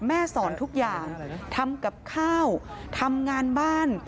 แม่สอนทุกอย่างทำกับข้าวทำงานบ้าน